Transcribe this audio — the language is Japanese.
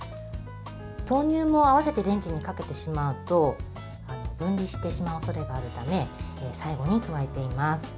豆乳も合わせてレンジにかけてしまうと分離してしまうおそれがあるため最後に加えています。